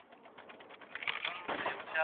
آیا سهار وختي پاڅېدل تر ناوخته خوب ګټور دي؟